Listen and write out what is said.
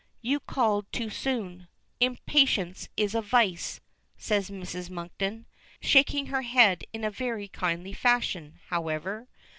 You called too soon. Impatience is a vice," says Mrs. Monkton, shaking her head in a very kindly fashion, however.